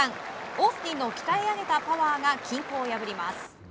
オースティンの鍛え上げたパワーが均衡を破ります。